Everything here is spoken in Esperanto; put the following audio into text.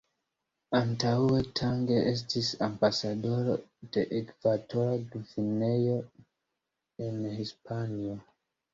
Antaŭe Tang estis ambasadoro de Ekvatora Gvineo en Hispanio.